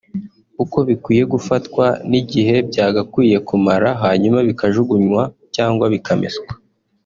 uko bikwiye gufatwa n’igihe byagakwiye kumara hanyuma bikajugunywa cyangwa bikameswa